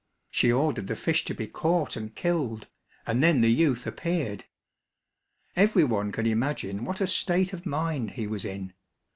She ordered the fish to be caught and killed, and then the youth appeared. Every one can imagine what a state of mind he was in.